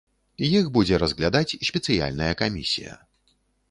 Іх будзе разглядаць спецыяльная камісія.